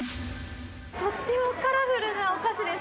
とてもカラフルなお菓子です